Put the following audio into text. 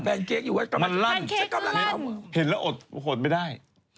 กระแฟนเค้กอยู่ไว้ก็มันลั่นปะเค้กลั่นเห็นแล้วอดอดไปได้